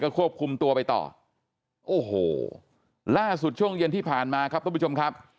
ควบคุมตัวไปต่อโอ้โหล่าสุดช่วงเย็นที่ผ่านมาครับท่านผู้ชมครับ